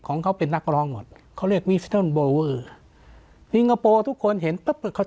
ของเขาเป็นนักร้องหมดเขาเรียกทุกคนเห็นเพิ่มเขา